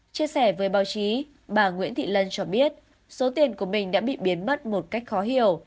chia sẻ với báo chí bà nguyễn thị lân cho biết số tiền của mình đã bị biến mất một cách khó hiểu